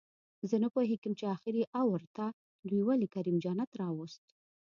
زه نپوهېږم چې اخري اوور ته دوئ ولې کریم جنت راووست